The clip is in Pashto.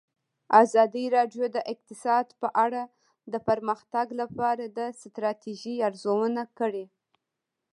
ازادي راډیو د اقتصاد په اړه د پرمختګ لپاره د ستراتیژۍ ارزونه کړې.